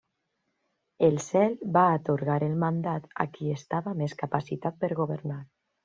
El Cel va atorgar el mandat a qui estava més capacitat per governar.